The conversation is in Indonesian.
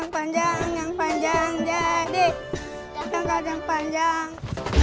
panjang panjang panjang